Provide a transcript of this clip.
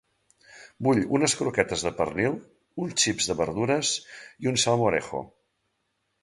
Vull unes croquetes de pernil, uns xips de verdures i un salmorejo.